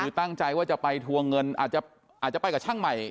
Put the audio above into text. คือตั้งใจว่าจะไปทวงเงินอาจจะไปกับช่างใหม่